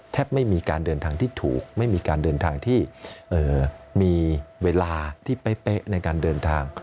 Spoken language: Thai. ไม่มีการเดินทางที่ถูกไม่มีการเดินทางที่มีเวลาที่เป๊ะในการเดินทาง